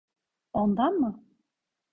Ondan mı?